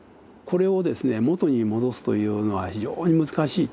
これをですね元に戻すというのは非常に難しい。